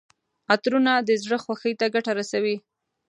عطرونه د زړه خوښۍ ته ګټه رسوي.